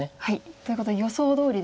ということで予想どおりですね